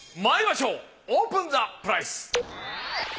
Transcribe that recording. まいりましょうオープンザプライス！